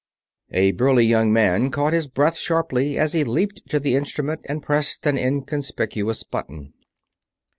A burly young man caught his breath sharply as he leaped to the instrument and pressed an inconspicuous button.